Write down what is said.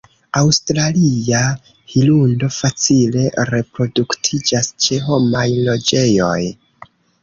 Aŭstralia hirundo facile reproduktiĝas ĉe homaj loĝejoj.